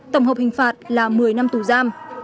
tổng hợp hình phạt là một mươi năm tù giam